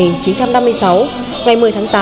một nghìn chín trăm năm mươi sáu ngày một mươi tháng tám